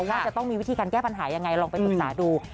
ว่าจะต้องมีวิธีการแก้ปัญหายังไงลองไปปรึกษาดู